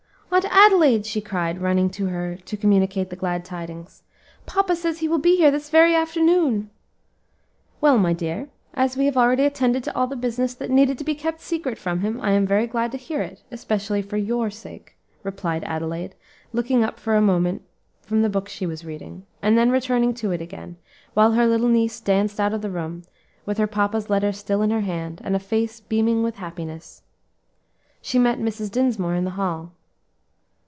"Aunt Adelaide," she cried, running to her to communicate the glad tidings, "papa says he will be here this very afternoon." "Well, my dear, as we have already attended to all the business that needed to be kept secret from him, I am very glad to hear it, especially for your sake," replied Adelaide, looking up for a moment from the book she was reading, and then returning to it again, while her little niece danced out of the room, with her papa's letter still in her hand, and a face beaming with happiness. She met Mrs. Dinsmore in the hall.